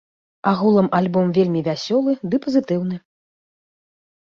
Агулам альбом вельмі вясёлы ды пазітыўны.